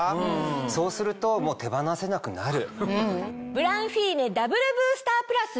そうするともう手放せなくなる。